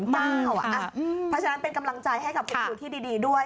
เพราะฉะนั้นเป็นกำลังใจให้กับคุณครูที่ดีด้วย